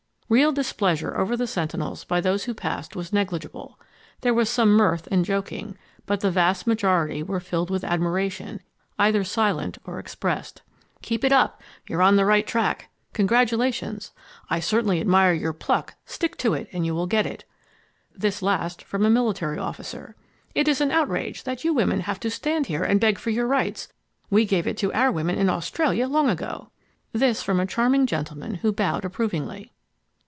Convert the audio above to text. Real displeasure over the sentinels by those who passed was negligible. There was some mirth and joking, but the vast majority were filled with admiration, either silent or expressed. "Keep it up." ... "You are on the right track." ... "Congratulations." ... "I certainly admire your pluck—stick to it and you will get it." ... This last from a military officer .... "It is an outrage that you women should have to stand here and beg for your rights. We gave it to our women in Australia long ago:" ... This from a charming gentleman who bowed approvingly.